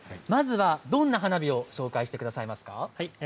どんな花火をご紹介してくださいますか？